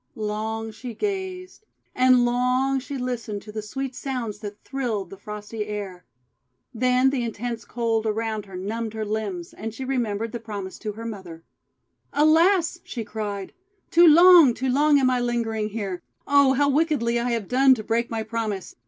Long she gazed; and long she listened to the sweet sounds that thrilled the frosty air. Then the intense cold around her numbed her limbs, and she remembered the promise to her mother. THE PROMISE BROKEN "ALAS!' she cried, 'too long, too long am I lingering here! Oh, how wickedly I have done to break my promise!